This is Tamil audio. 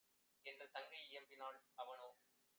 என்று தங்கை இயம்பினாள். அவனோ